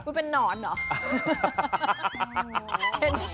คุณเป็นนอนเหรอ